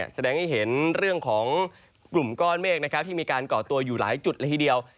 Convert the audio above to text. แสดงให้เห็นเรื่องของกลุ่มก้อนเมฆนะครับที่มีการก่อตัวอยู่หลายจุดละทีเดียว